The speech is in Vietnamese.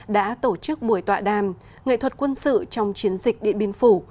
đã tổ chức buổi tọa đàm nghệ thuật quân sự trong chiến dịch điện biên phủ